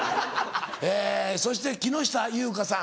そして木下ゆうかさん